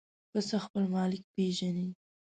پسه خپل مالک پېژني.